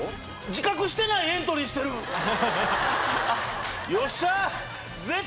自覚してないエントリーしてるよっしゃ！